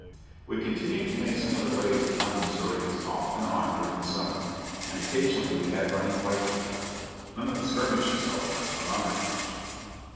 We continued to make similar raids upon the Missourians off and on during the summer, and occasionally we had running fights with them; none of the skirmishes, however, amounting to much.